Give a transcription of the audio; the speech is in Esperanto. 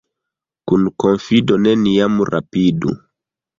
Kun konfido neniam rapidu.